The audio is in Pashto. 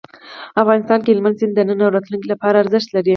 افغانستان کې هلمند سیند د نن او راتلونکي لپاره ارزښت لري.